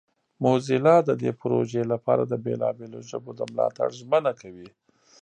موزیلا د دې پروژې لپاره د بیلابیلو ژبو د ملاتړ ژمنه کوي.